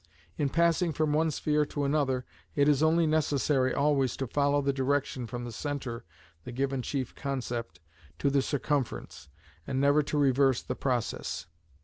In passing from one sphere to another, it is only necessary always to follow the direction from the centre (the given chief concept) to the circumference, and never to reverse this process.